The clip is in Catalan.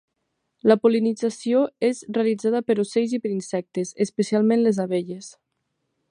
La pol·linització és realitzada per ocells i per insectes, especialment les abelles.